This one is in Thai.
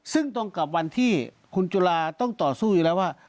ซึ่งตรงกับวันที่คุณจุฬาต้องต่อสู้อยู่แล้วว่า